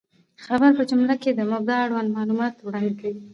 خبر په جمله کښي د مبتداء اړوند معلومات وړاندي کوي.